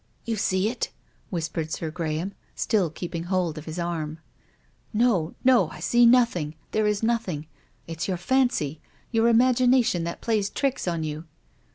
" You see it ?" whispered Sir Graham, still keep ing hold of his arm. " No, no, I see nothing; there is nothing. It's your fancy, your imagination that plays tricks on you.